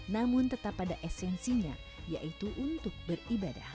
namun tetap pada esensinya yaitu untuk beribadah